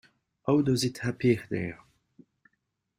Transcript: How does it appear there?